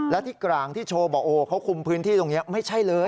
และที่กลางที่โชว์บอกโอ้เขาคุมพื้นที่ตรงนี้